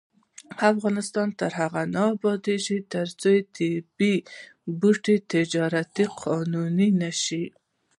افغانستان تر هغو نه ابادیږي، ترڅو د طبیعي بوټو تجارت قانوني نشي.